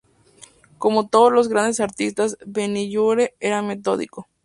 Como todos los grandes artistas, Benlliure era metódico.